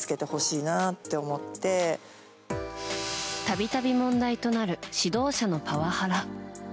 度々、問題となる指導者のパワハラ。